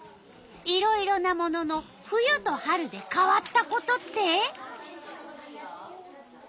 いろいろなものの冬と春で変わったことって？